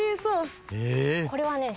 これはね